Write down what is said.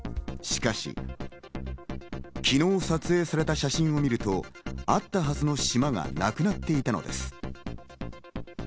しかし、昨日撮影された写真を見ると、あったはずの島がなくなっていたのです。